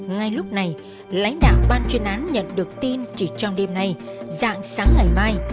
ngay lúc này lãnh đạo ban chuyên án nhận được tin chỉ trong đêm nay dạng sáng ngày mai